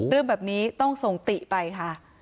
เรื่องแบบนี้ต้องส่งติไปค่ะ